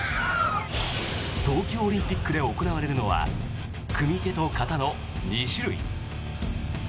東京オリンピックで行われるのは組手と形の２種類。